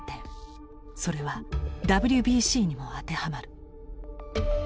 それはＷＢＣにも当てはまる。